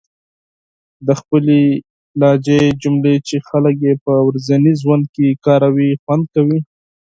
د خپلې لهجې جملې چې خلک يې په ورځني ژوند کې کاروي، خوندي کړئ.